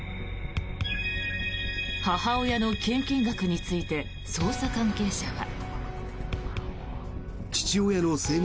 母親の献金額について捜査関係者は。